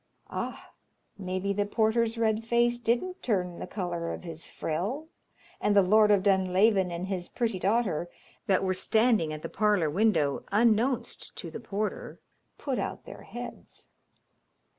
Ah! maybe the porter's red face didn't turn the colour of his frill, and the Lord of Dunlavin and his pretty daughter, that were standing at the parlour window unknownst to the porter, put out their heads.